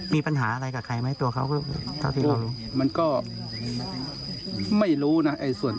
ไม่ดูน่ะและความชัยพี่แทบว่าแล้วนี้เค้าก็โอเคเลย